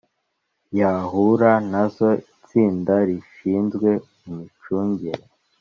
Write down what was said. Yahura nazo itsinda rishinzwe imicungire